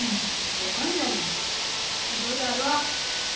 若いんやもんいろいろあるわ。